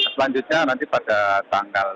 selanjutnya nanti pada tanggal